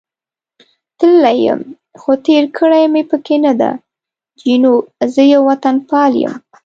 تللی یم، خو تېر کړې مې پکې نه ده، جینو: زه یو وطنپال یم.